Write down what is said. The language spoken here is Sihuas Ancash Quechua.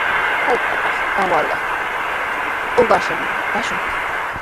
Hutratraw kawarqa uqrakashqami kashun.